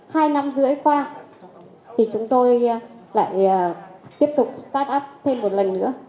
hai năm rưỡi qua thì chúng tôi lại tiếp tục start up thêm một lần nữa